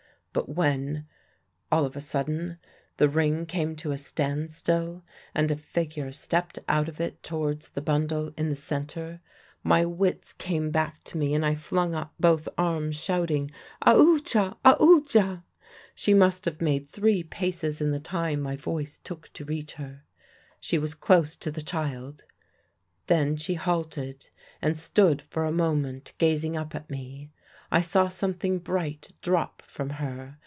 But when, all of a sudden, the ring came to a standstill, and a figure stepped out of it towards the bundle in the centre, my wits came back to me, and I flung up both arms, shouting 'Aoodya! Aoodya!' "She must have made three paces in the time my voice took to reach her. She was close to the child. Then she halted and stood for a moment gazing up at me. I saw something bright drop from her.